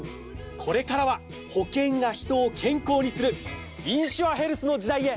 これからは保険が人を健康にするインシュアヘルスの時代へ！